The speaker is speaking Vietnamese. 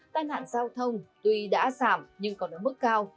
tai nạn giao thông tuy đã giảm nhưng còn ở mức cao